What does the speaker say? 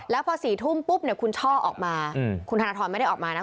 แล้วพอ๔ทุ่มปุ๊บเนี่ยคุณช่อออกมาคุณธนทรไม่ได้ออกมานะ